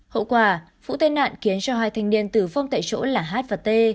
hậu quả vụ tai nạn khiến cho hai thanh niên tử vong tại chỗ là h và t